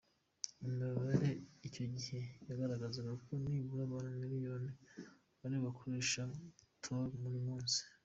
Imibare icyo gihe yagaragazaga ko nibura abantu miliyoni aribo bakoresha Tor buri munsi.